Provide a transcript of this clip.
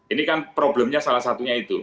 ini kan problemnya salah satunya itu